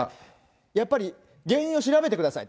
やっぱり原因を調べてくださいと。